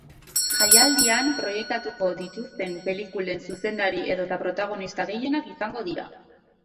Jaialdian, proiektatuko dituzten pelikulen zuzendari edota protagonista gehienak izango dira.